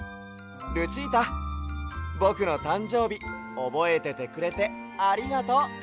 ルチータぼくのたんじょうびおぼえててくれてありがとう！